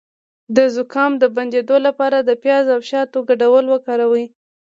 د زکام د بندیدو لپاره د پیاز او شاتو ګډول وکاروئ